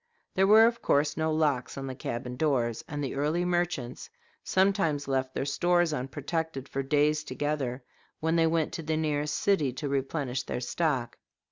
There were of course no locks on the cabin doors, and the early merchants sometimes left their stores unprotected for days together when they went to the nearest city to replenish their stock.